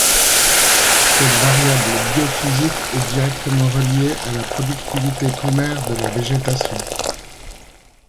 Cette variable biophysique est directement reliée à la productivité primaire de la végétation.